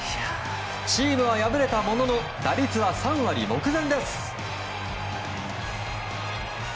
チームは敗れたものの打率は３割目前です。